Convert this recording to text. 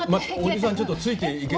おじさんちょっとついていけてない。